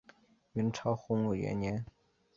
明朝洪武元年。